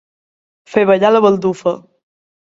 Fer ballar la baldufa.